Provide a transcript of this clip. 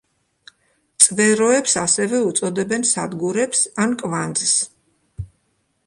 წვეროებს ასევე უწოდებენ სადგურებს ან კვანძს.